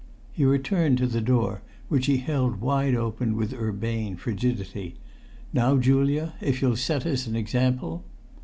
He returned to the door, which he held wide open with urbane frigidity. "Now, Julia, if you'll set us an example."